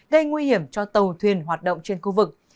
gây nguy hiểm cho tàu thuyền hoạt động trên khu vực